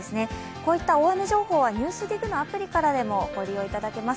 こういった大雨情報は「ＮＥＷＳＤＩＧ」のアプリからもご利用いただけます。